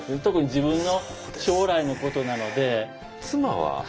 特に自分の将来のことなので。